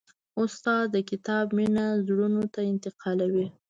استاد د کتاب مینه زړونو ته انتقالوي.